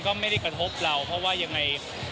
ก็ไม่ได้กระทบเราเพราะว่ายังไง